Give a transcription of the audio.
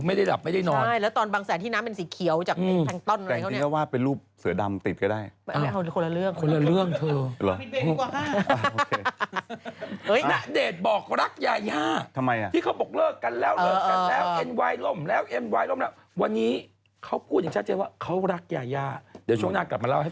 ไม่ได้หลับไม่ได้นอนใช่